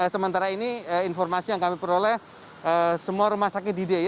sementara ini informasi yang kami peroleh semua rumah sakit diy